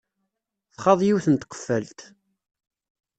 Txaḍ yiwet n tqeffalt.